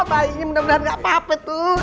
bayinya bener bener gak apa apa tuh